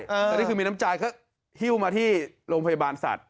แต่นี่คือมีน้ำใจเขาหิ้วมาที่โรงพยาบาลสัตว